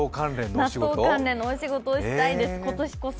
納豆関連のお仕事をしたいです、今年こそ。